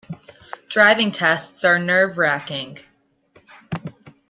Driving tests are nerve-racking.